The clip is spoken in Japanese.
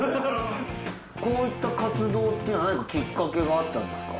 こういった活動っていうのは何かきっかけがあったんですか？